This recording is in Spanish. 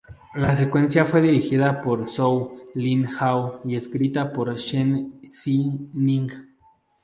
La secuela fue dirigida por Zhou Lin Hao y escrita por Shen Zhi Ning.